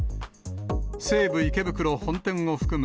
西武池袋本店を含む